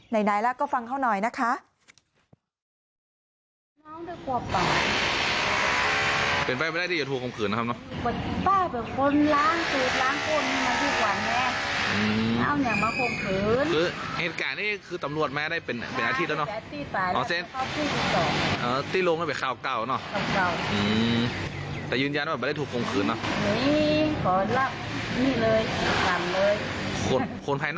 ไหนล่ะก็ฟังเขาหน่อยนะคะ